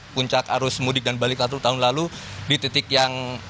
puncak arus mudik dan balik natur tahun lalu di titik yang